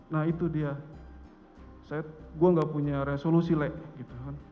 nah itu dia saya gue enggak punya resolusi lek